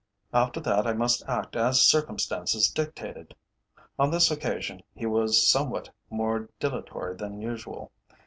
After that I must act as circumstances dictated. On this occasion he was somewhat more dilatory than usual.